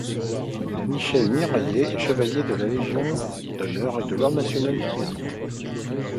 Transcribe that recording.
Michel Miraillet, est chevalier de la Légion d’Honneur et de l’Ordre national du Mérite.